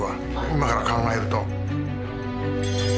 今から考えると。